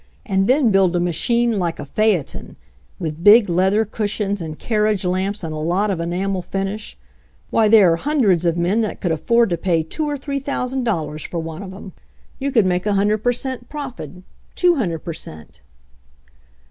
And then build a machine like a phaeton, with big leather cushions and carriage lamps and a lot of enamel finish — why, there are hundreds of men that could afford to pay two or three thousand dollars for one of 'em. You could make a hundred per cent profit — two hundred per cent."